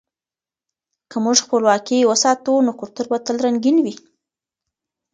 که موږ خپلواکي وساتو، نو کلتور به تل رنګین وي.